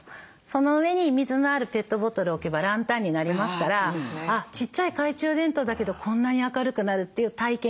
その上に水のあるペットボトル置けばランタンになりますからちっちゃい懐中電灯だけどこんなに明るくなるっていう体験をして頂くと。